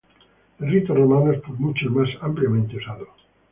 El rito romano es por mucho el más ampliamente usado.